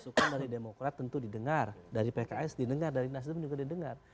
masukan dari demokrat tentu didengar dari pks didengar dari nasdem juga didengar